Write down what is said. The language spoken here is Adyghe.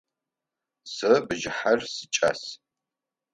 Сэ бжыхьэр сикӏас.